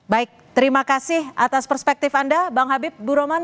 baik terima kasih atas perspektif anda bang habib bu roman